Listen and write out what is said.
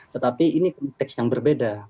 tetapi ini konteks yang berbeda